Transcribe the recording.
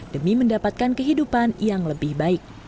demi mendapatkan kehidupan yang lebih baik